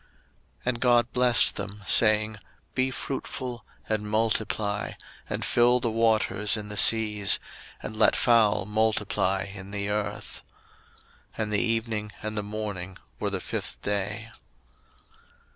01:001:022 And God blessed them, saying, Be fruitful, and multiply, and fill the waters in the seas, and let fowl multiply in the earth. 01:001:023 And the evening and the morning were the fifth day.